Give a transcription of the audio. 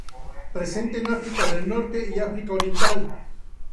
Presente en África del Norte y África Oriental.